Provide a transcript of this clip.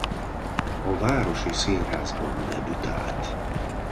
A Városi Színházban debütált.